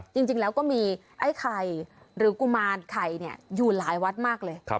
จริงแล้วก็มีไอ้ไข่หรือกุมารไข่อยู่หลายวัดมากเลย